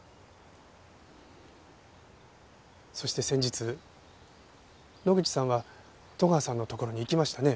そして先日野口さんは戸川さんの所に行きましたね。